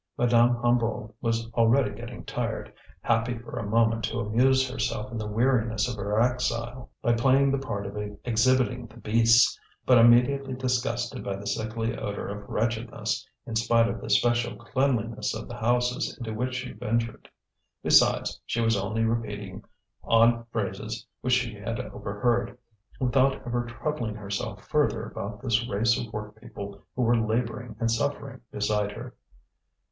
Madame Hennebeau was already getting tired, happy for a moment to amuse herself in the weariness of her exile by playing the part of exhibiting the beasts, but immediately disgusted by the sickly odour of wretchedness, in spite of the special cleanliness of the houses into which she ventured. Besides, she was only repeating odd phrases which she had overheard, without ever troubling herself further about this race of workpeople who were labouring and suffering beside her.